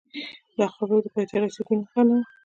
دا د خبرو د پای ته رسیدو نښه وه